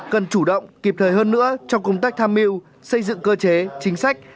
cần chủ động kịp thời hơn nữa trong công tác tham mưu xây dựng cơ chế chính sách